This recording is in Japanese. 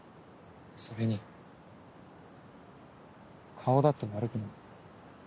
それに顔だって悪くない。